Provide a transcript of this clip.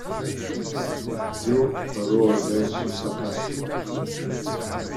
Ttedduɣ ɣer uɣerbaz s usakac.